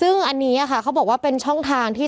เพราะว่าตอนนี้พอยอดโควิดขึ้นยอดผู้เสียชีวิตเราก็ขึ้นด้วย